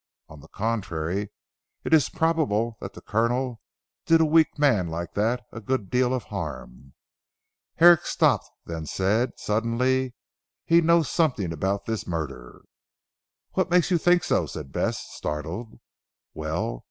"On the contrary it is probable that the Colonel did a weak man like that a good deal of harm," Herrick stopped; then said suddenly. "He knows something about this murder?" "What makes you think so?" said Bess startled. "Well!